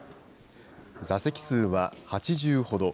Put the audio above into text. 座席数は８０ほど。